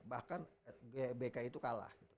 bahkan gbk itu kalah